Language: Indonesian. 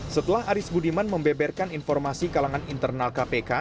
setelah aris budiman membeberkan informasi kalangan internal kpk